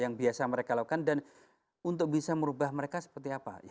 yang biasa mereka lakukan dan untuk bisa merubah mereka seperti apa